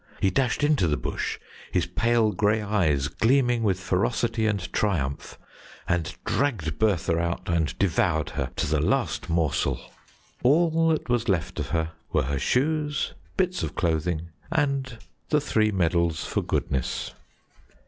He dashed into the bush, his pale grey eyes gleaming with ferocity and triumph, and dragged Bertha out and devoured her to the last morsel. All that was left of her were her shoes, bits of clothing, and the three medals for goodness."